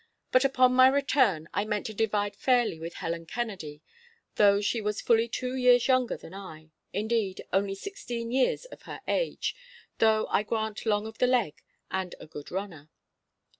But upon my return I meant to divide fairly with Helen Kennedy, though she was fully two years younger than I—indeed, only sixteen years of her age, though I grant long of the leg and a good runner.